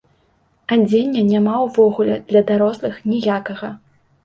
Адзення няма ўвогуле для дарослых, ніякага.